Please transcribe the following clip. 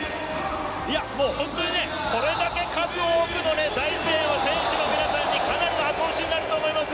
これだけ数多くの大声援を選手の皆さんにかなり後押しになると思います。